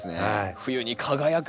冬に輝く。